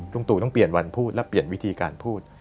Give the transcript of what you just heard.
ตู่ต้องเปลี่ยนวันพูดและเปลี่ยนวิธีการพูด